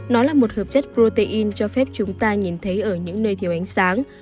nó là một hợp chất protein cho phép chúng ta nhìn thấy ở những nơi thiếu ánh sáng